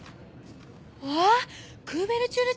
うわークーベルチュール